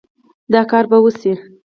دا کار به وشي